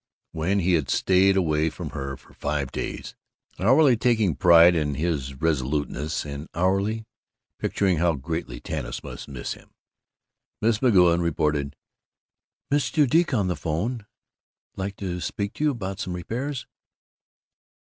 When he had stayed away from her for five days, hourly taking pride in his resoluteness and hourly picturing how greatly Tanis must miss him, Miss McGoun reported, "Mrs. Judique on the 'phone. Like t' speak t' you 'bout some repairs."